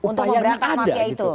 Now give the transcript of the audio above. untuk memberantas mafia itu